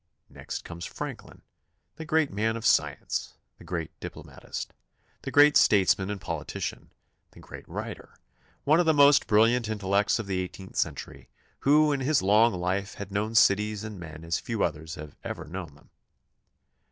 Next comes Franklin, the great man of science, the great diplomatist, the great statesman and politician, the great writer; one of the most brilliant intellects of the eighteenth cen tury, who in his long life had known cities and men as few others have ever known them.